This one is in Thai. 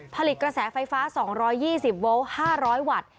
ผลิตกระแสไฟฟ้า๒๒๐โวลต์๕๐๐วัตต์